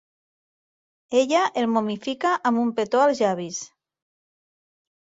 Ella el momifica amb un petó als llavis.